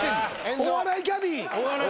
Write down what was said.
お笑いキャディー。